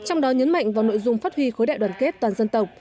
trong đó nhấn mạnh vào nội dung phát huy khối đại đoàn kết toàn dân tộc